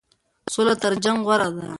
سوله تر جنګ غوره ده.